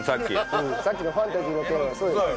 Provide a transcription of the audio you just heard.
さっきのファンタジーの件はそうです。